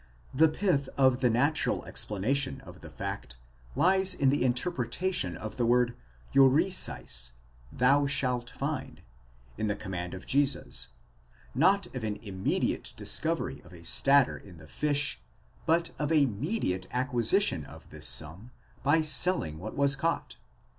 The pith of the natural explanation of the fact lies in the interpretation of the word εὑρήσεις, thou shalt find, in the command of Jesus, not of an immediate discovery of a stater in the fish, but of a mediate acquisition of this sum by selling what was caught."